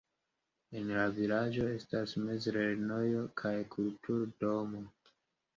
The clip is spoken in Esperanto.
En la vilaĝo estas mezlernejo kaj kultur-domo.